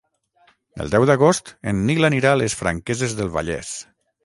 El deu d'agost en Nil anirà a les Franqueses del Vallès.